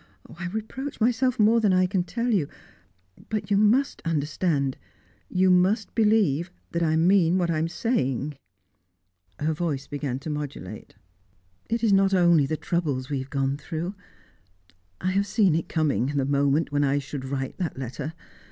"I reproach myself more than I can tell you. But you must understand you must believe that I mean what I am saying!" Her voice began to modulate. "It is not only the troubles we have gone through. I have seen it coming the moment when I should write that letter.